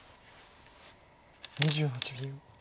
２８秒。